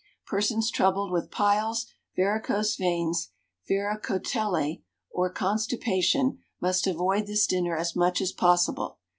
Persons troubled with piles, varicose veins, varicocele, or constipation must avoid this dinner as much as possible.